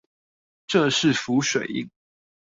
這是浮水印